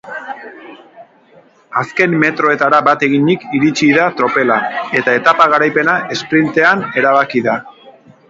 Azken metroetara bat eginik iritsi da tropela eta etapa garaipena esprintean erabaki da.